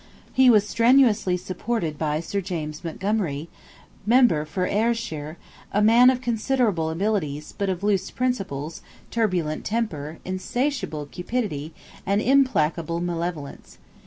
He was strenuously supported by Sir James Montgomery, member for Ayrshire, a man of considerable abilities, but of loose principles, turbulent temper, insatiable cupidity, and implacable malevolence.